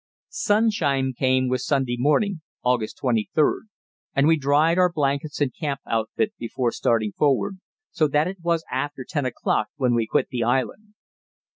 Sunshine came with Sunday morning (August 23), and we dried our blankets and camp outfit before starting forward, so that it was after ten o'clock when we quit the island.